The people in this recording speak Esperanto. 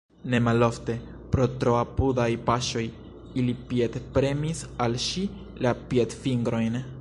Ne malofte, pro tro apudaj paŝoj, ili piedpremis al ŝi la piedfingrojn.